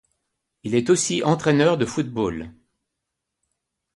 Il est aussi entraîneur de football.